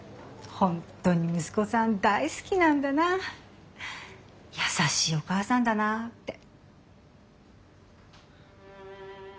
本当に息子さん大好きなんだな優しいお母さんだなって。